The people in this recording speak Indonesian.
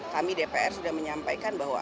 kami dpr sudah menyampaikan bahwa